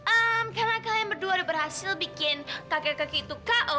ehm karena kalian berdua udah berhasil bikin kakek kakek itu ko